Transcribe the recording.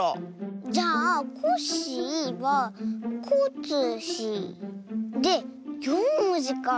じゃあ「コッシー」は「コ」「ッ」「シ」「ー」で４もじかあ。